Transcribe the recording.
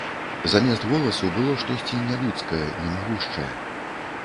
Замест голасу было штосьці нялюдскае, немагушчае.